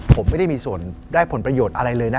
ผมไม่ได้มีส่วนได้ผลประโยชน์อะไรเลยนะ